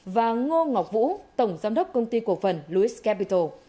và ngô ngọc vũ tổng giám đốc công ty cục vận louis capital